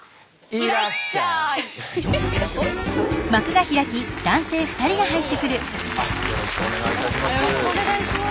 よろしくお願いします。